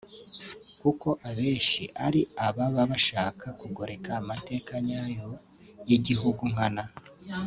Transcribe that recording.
kuko abenshi ari ababa bashaka kugoreka amateka nyayo y’igihugu nkana